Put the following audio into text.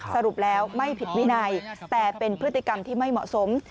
สรุปแล้วไม่ผิดวินัยแต่เป็นพฤติกรรมที่ไม่เหมาะสม